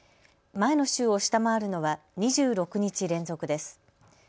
前の週を下回るのは２６日連続です。